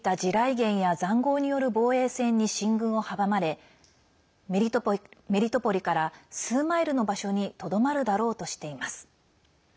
原やざんごうによる防衛線に進軍を阻まれメリトポリから数マイルの場所にとどまるだろうとしています。